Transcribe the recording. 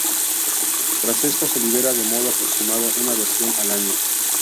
Tras esto se libera de modo aproximado una versión al año.